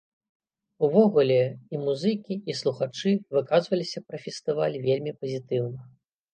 Увогуле, і музыкі, і слухачы выказваліся пра фестываль вельмі пазітыўна.